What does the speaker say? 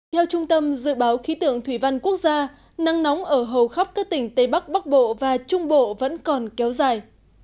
theo trung tâm dự báo khí tượng thủy văn quốc gia nắng nóng ở hầu khắp các tỉnh tây bắc bắc bộ và trung bộ vẫn còn kéo dài